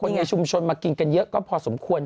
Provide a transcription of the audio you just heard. ในชุมชนมากินกันเยอะก็พอสมควร